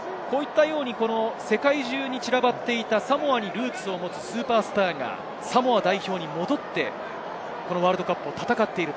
世界中に散らばっていたサモアにルーツを持つスーパースターがサモア代表に戻ってワールドカップを戦っている。